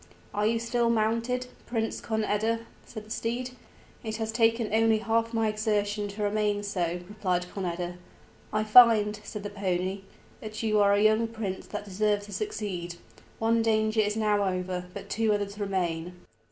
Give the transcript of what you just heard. "Are you still mounted, prince Conn eda?" said the steed. "It has taken only half my exertion to remain so," replied Conn eda. "I find," said the pony, "that you are a young prince that deserves to succeed; one danger is now over, but two others remain."